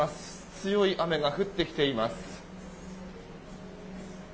強い雨が降ってきています。